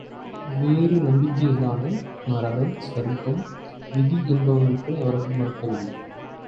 வேறு நம்பிக்கைகளான, நரகம், சுவர்க்கம், விதி என்பனவற்றை அவர்கள் மறுக்கவில்லை.